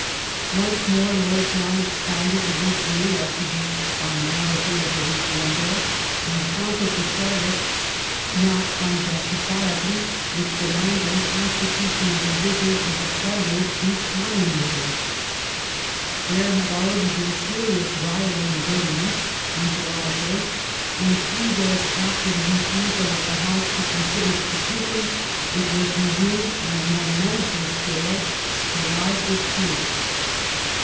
Once more Lord John expounded the Whig view as to the " finality" of the Reform Bill, and taunted the Chai'tists, not unjustifiably, with demanding constitutional revision as a prelude to communism. There had already been serious rioting in Birmingham on July 4th, and three days after the refusal of the House to consider the petition it was resumed on a more menacing scale (July 15th).